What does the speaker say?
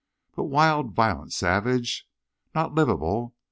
But wild, violent, savage! Not livable!